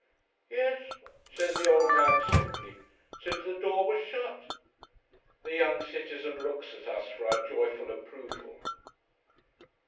"Yes," says the old man, simply, "since the door was shut." The young citizen looks at us for our joyful approval.